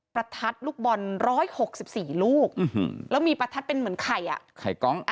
ประทัดลูกบอล๑๖๔ลูกแล้วมีประทัดเป็นเหมือนไข่อ่ะไข่ก๊อก